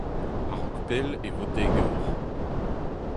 A-raok pell e vo dek eur…